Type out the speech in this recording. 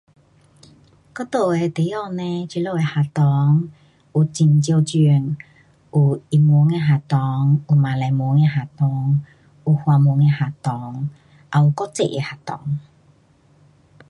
我住的地方嘞，这里的学堂，有很少种，有英文的学堂，有马来文的学堂，有华文的学堂。也有国际的学堂。